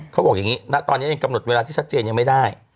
เขาบอกอย่างนี้ณตอนนี้ยังกำหนดเวลาที่ชัดเจนยังไม่ได้